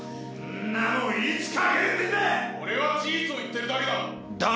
俺は事実を言ってるだけだ！